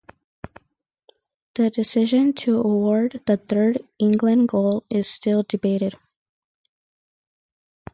The decision to award the third England goal is still debated.